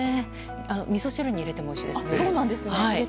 みそ汁に入れてもおいしいですよ。